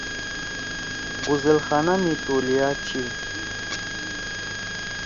غسل خانہ می تولیا چھی۔